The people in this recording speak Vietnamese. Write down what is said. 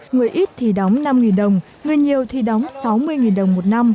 người ít thì đóng năm đồng người nhiều thì đóng sáu mươi đồng một năm